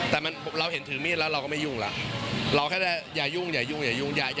แต่มันเราเห็นถือมีดแล้วเราก็ไม่ยุ่งล่ะเราแค่อย่ายุ่งอย่าทำไรเลย